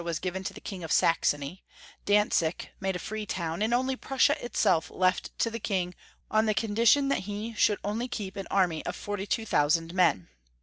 was given to the King of Saxony, Dantzic made a free town, and only Prussia itself left to the King on condition that he should only keep an army of 42,000 men.